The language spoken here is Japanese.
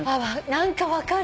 何か分かる。